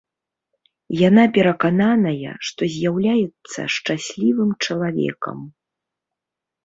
Яна перакананая, што з'яўляецца шчаслівым чалавекам.